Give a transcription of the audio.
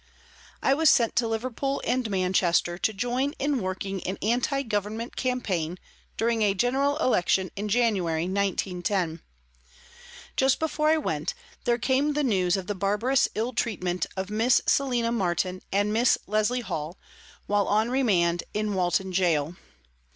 I WAS sent to Liverpool and Manchester to join in working an Anti Government campaign during a General Election in January, 1910. Just before I went, there came the news of the barbarous ill treatment of Miss Selina Martin and Miss Leslie Hall, while on remand in Walton Gaol.